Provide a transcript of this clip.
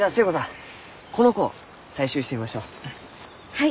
はい。